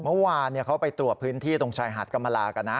เมื่อวานเขาไปตรวจพื้นที่ตรงชายหาดกรรมลากันนะ